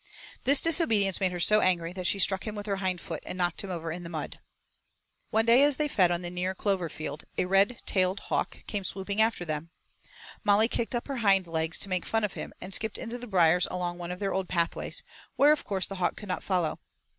This disobedience made her so angry that she struck him with her hind foot and knocked him over in the mud. One day as they fed on the near clover field a red tailed hawk came swooping after them. Molly kicked up her hind legs to make fun of him and skipped into the briers along one of their old pathways, where of course the hawk could not follow.